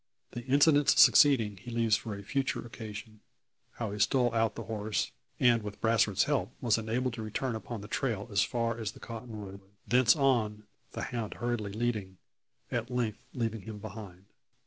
The incidents succeeding he leaves for a future occasion; how he stole out the horse, and with Brasfort's help, was enabled to return upon the trail as far as the cottonwood; thence on, the hound hurriedly leading, at length leaving him behind.